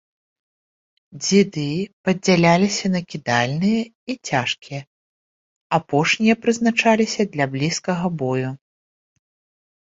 Дзіды падзяляліся на кідальныя і цяжкія, апошнія прызначаліся для блізкага бою.